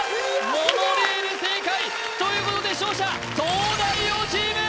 モノレール正解ということで勝者東大王チーム！